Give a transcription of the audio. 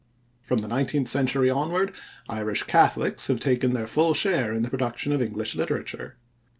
From the nineteenth century onward Irish Catholics have taken their full share in the production of English literature.